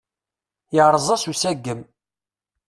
Yerreẓ-as usagem.